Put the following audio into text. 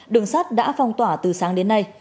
đường sắt đã phong tỏa từ sáng đến nay